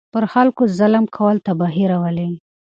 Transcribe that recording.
پر خلکو ظلم کول تباهي راولي.